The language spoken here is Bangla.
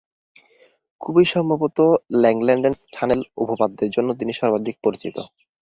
খুব সম্ভবত ল্যাংল্যান্ডস-টানেল উপপাদ্যের জন্য তিনি সর্বাধিক পরিচিত।